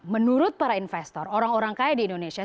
menurut para investor orang orang kaya di indonesia